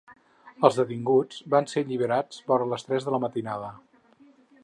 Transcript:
Els detinguts van ser alliberats vora les tres de la matinada.